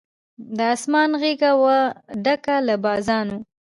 د آسمان غېږه وه ډکه له بازانو